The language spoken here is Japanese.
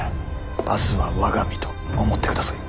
明日は我が身と思ってください。